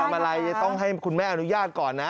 แต่ทำอะไรต้องให้คุณแม่อนุญาตก่อนนะ